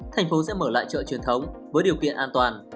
thành phố sẽ mở lại chợ truyền thống với điều kiện an toàn